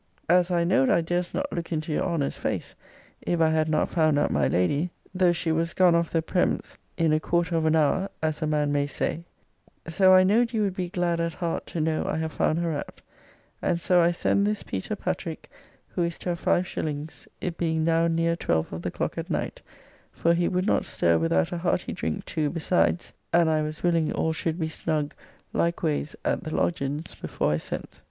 As I knowed I durst not look into your Honner's fase, if I had not found out my lady, thoff she was gone off the prems's in a quarter of an hour, as a man may say; so I knowed you would be glad at hart to know I have found her out: and so I send thiss Petur Patrick, who is to have 5 shillings, it being now near 12 of the clock at nite; for he would not stur without a hearty drink too besides: and I was willing all shulde be snug likeways at the logins before I sent.